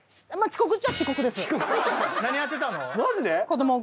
何やってたの？